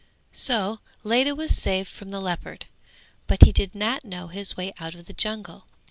So Ledha was saved from the leopard, but he did not know his way out of the jungle.